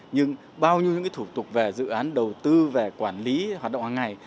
nhưng bao nhiêu những thủ tục về dự án đầu tư về quản lý hoạt động hàng ngày